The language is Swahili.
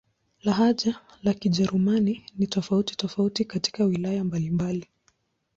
Lahaja za Kijerumani ni tofauti-tofauti katika wilaya mbalimbali.